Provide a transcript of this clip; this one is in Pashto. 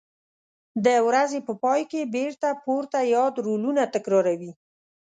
د ورځې په پای کې بېرته پورته یاد رولونه تکراروي.